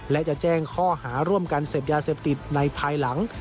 และจะแจ้งข้อหาร่วมกันเสพยาเสพติดในภายหลัง